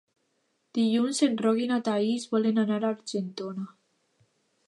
Dilluns en Roc i na Thaís volen anar a Argentona.